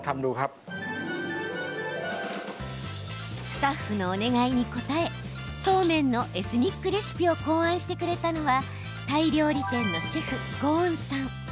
スタッフのお願いに応えそうめんのエスニックレシピを考案してくれたのはタイ料理店のシェフ、ゴーンさん。